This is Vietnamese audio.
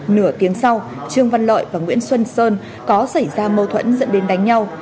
nửa tiếng sau trương văn lợi và nguyễn xuân sơn có xảy ra mâu thuẫn dẫn đến đánh nhau